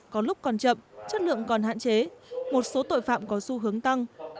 có lúc còn chậm chất lượng còn hạn chế một số tội phạm có xu hướng tăng